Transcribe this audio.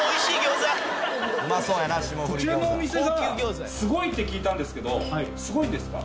こちらのお店がすごいって聞いたんですけどすごいんですか？